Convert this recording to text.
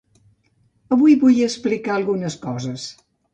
Avui vull explicar algunes coses.